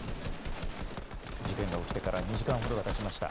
事件が起きてから２時間ほどがたちました。